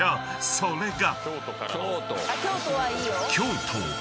それが］